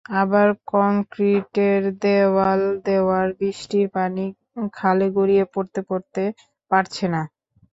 আবার কংক্রিটের দেয়াল দেওয়ায় বৃষ্টির পানি খালে গড়িয়ে পড়তেও পারছে না।